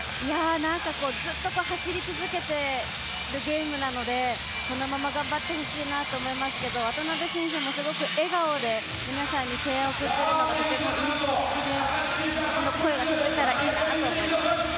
何か、ずっと走り続けているゲームなのでこのまま頑張ってほしいなと思いますけど渡邊選手もすごく笑顔で皆さんに声援を送っているのがとても印象的で、その声が届いたらいいなと思います。